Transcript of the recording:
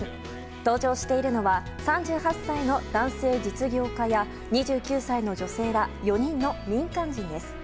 搭乗しているのは３８歳の男性実業家や２９歳の女性ら４人の民間人です。